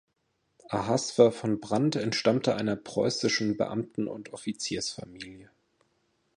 Ahasver von Brandt entstammte einer preußischen Beamten- und Offiziersfamilie.